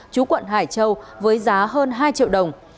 chú quận hải châu với giá hơn hai triệu đồng